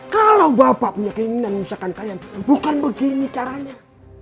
kalau bapak punya keinginan misalkan kalian bukan begini caranya